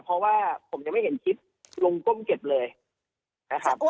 เพราะว่าผมยังไม่เห็นคลิปลุงก้มเก็บเลยนะครับ